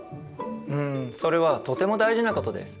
うんそれはとても大事なことです。